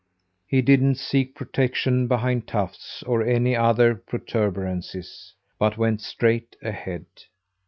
He didn't seek protection behind tufts, or any other protuberances, but went straight ahead.